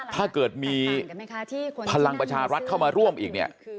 ถ้าเกิดมีพลังประชารัฐเข้ามาร่วมอีกเนี่ย